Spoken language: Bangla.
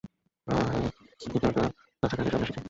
আমরা ভেতরের কোরের কাছাকাছি চলে এসেছি।